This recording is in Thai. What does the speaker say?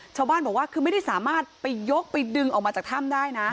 ชาวบ้านบอกว่าคือไม่ได้สามารถไปยกไปดึงออกมาจากถ้ำได้นะ